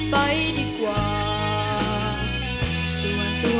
พี่ปุ๊บ